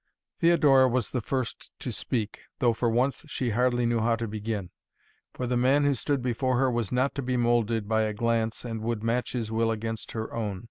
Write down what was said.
Theodora was the first to speak, though for once she hardly knew how to begin. For the man who stood before her was not to be moulded by a glance and would match his will against her own.